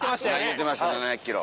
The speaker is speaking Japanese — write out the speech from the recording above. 言うてました７００キロ。